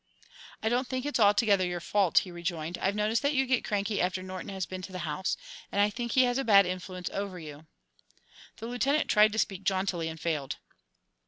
"I don't think it's altogether your fault," he rejoined. "I've noticed that you get cranky after Norton has been to the house, and I think he has a bad influence over you." The Lieutenant tried to speak jauntily, and failed.